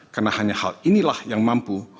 karena hanya hal inilah yang mampu